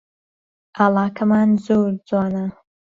ئاڵاکەمان زۆر جوانە